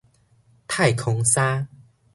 太空衫